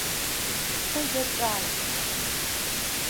Ҳԥыза ҿааиҭит.